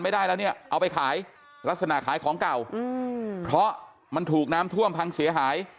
ไม่ได้แล้วเนี่ยเอาไปขายลักษณะขายของเก่าอืมเพราะมันถูกน้ำท่วมพังเสียหาย